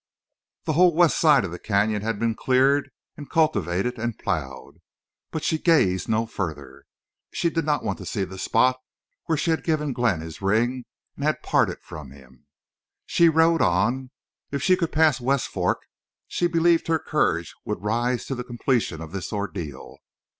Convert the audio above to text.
The whole west side of the canyon had been cleared and cultivated and plowed. But she gazed no farther. She did not want to see the spot where she had given Glenn his ring and had parted from him. She rode on. If she could pass West Fork she believed her courage would rise to the completion of this ordeal.